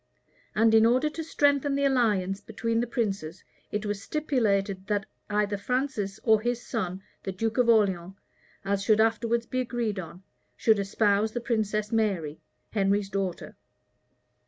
And in order to strengthen the alliance between the princes, it was stipulated, that either Francis, or his son, the duke of Orleans, as should afterwards be agreed on, should espouse the princess Mary, Henry's daughter.